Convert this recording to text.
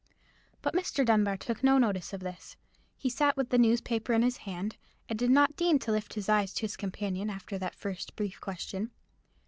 But Mr. Dunbar took no notice of this. He sat with the newspaper in his hand, and did not deign to lift his eyes to his companion, after that first brief question.